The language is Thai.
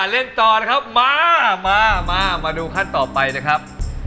เล่นต่อนะครับมามามาดูขั้นต่อไปนะครับ